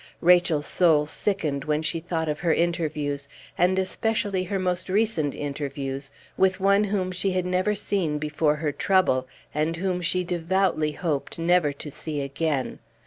Rachel's soul sickened when she thought of her interviews, and especially her most recent interviews, with one whom she had never seen before her trouble, and whom she devoutly hoped never to see again.